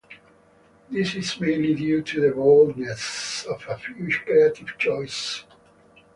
This is mainly due to the boldness of a few creative choices.